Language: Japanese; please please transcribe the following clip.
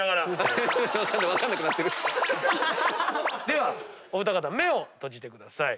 ではお二方目を閉じてください。